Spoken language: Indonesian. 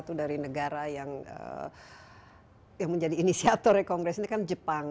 kita satu dari negara yang menjadi inisiatornya kongres ini kan jepang